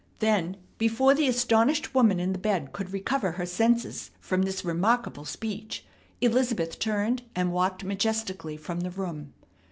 Then before the astonished woman in the bed could recover her senses from this remarkable speech Elizabeth turned and walked majestically from the room.